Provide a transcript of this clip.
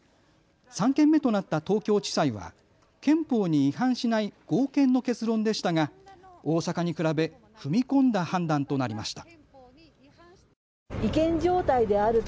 ３件目となった東京地裁は憲法に違反しない合憲の結論でしたが大阪に比べ踏み込んだ判断となりました。